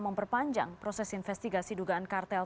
memperpanjang proses investigasi dugaan kartel